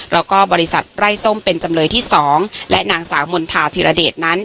แล้วก็บริษัทไร้ส้มเป็นจำเลยที่๒และนางสาวมณฑาธิรเดชนั้น